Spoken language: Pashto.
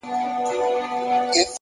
د حقیقت لاره که سخته وي ارزښت لري،